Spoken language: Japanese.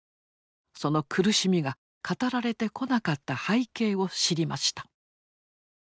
その苦しみが語られてこなかった背景を知りました。